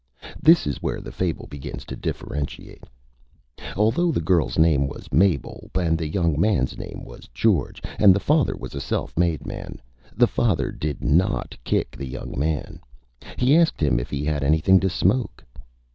This is where the Fable begins to Differentiate. Although the Girl's name was Mabel and the Young Man's name was George, and the Father was a Self Made Man, the Father did not Kick the Young Man. He asked him if he had Anything to Smoke.